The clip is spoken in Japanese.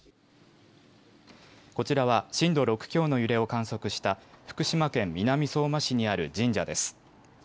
こちらは震度６強の揺れを観測した福島県南相馬市にある神社です。